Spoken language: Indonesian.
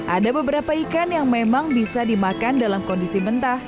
ada beberapa ikan yang memang bisa dimakan dalam kondisi mentah